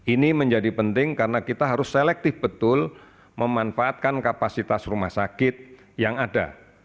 ini menjadi penting karena kita harus selektif betul memanfaatkan kapasitas rumah sakit yang ada